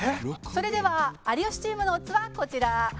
それでは有吉チームのオッズはこちら。